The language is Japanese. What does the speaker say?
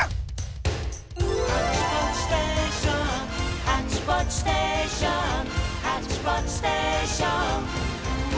「ハッチポッチステーションハッチポッチステーション」「ハッチポッチステーション」